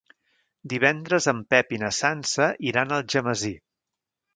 Divendres en Pep i na Sança iran a Algemesí.